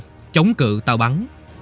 dơ tay lên chống cự tàu bắn